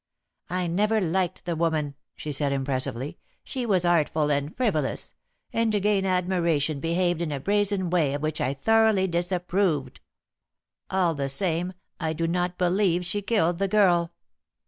"I never liked the woman," she said impressively, "she was artful and frivolous; and to gain admiration behaved in a brazen way of which I thoroughly disapproved. All the same, I do not believe she killed the girl."